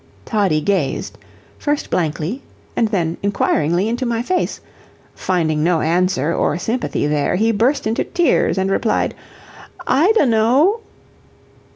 Toddie gazed, first blankly and then inquiringly, into my face; finding no answer or sympathy there, he burst into tears, and replied: "I dunno."